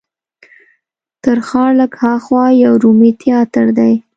تر ښار لږ هاخوا یو رومي تیاتر دی.